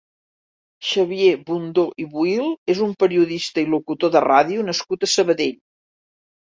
Xavier Bundó i Buil és un periodista i locutor de ràdio nascut a Sabadell.